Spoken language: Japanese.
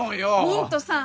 ミントさん！